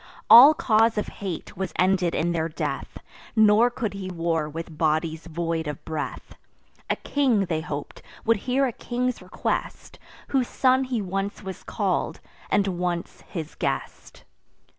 All cause of hate was ended in their death; Nor could he war with bodies void of breath. A king, they hop'd, would hear a king's request, Whose son he once was call'd, and once his guest.